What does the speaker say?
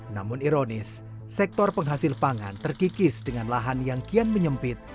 namun ironis sektor penghasil pangan terkikis dengan lahan yang kian menyempit